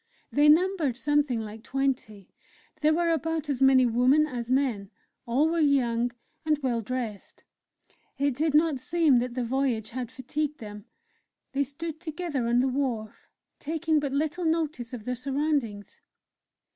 They numbered something like twenty; there were about as many women as men; all were young, and well dressed. It did not seem that the voyage had fatigued them; they stood together on the wharf, taking but little notice of their surroundings.